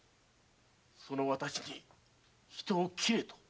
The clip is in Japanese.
その私に人を切れと。